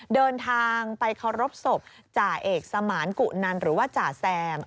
เดินทางไปเคารพศพจ่าเอกสมานกุนันหรือว่าจ่าแซม